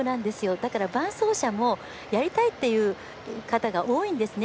だから、伴走者もやりたいっていう方が多いんですね。